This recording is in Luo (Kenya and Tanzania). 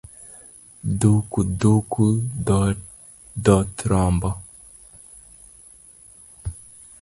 Dhuku dhuku dhoth rombo